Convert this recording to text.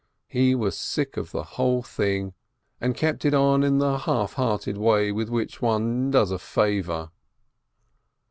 He was sick of the whole thing, and kept on in the half hearted way with which one does a favor.